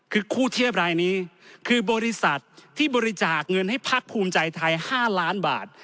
คือคู่เทียบรายนี้คือบริษัทที่บริจาคเงินให้พักภูมิใจไทย๕ล้านบาท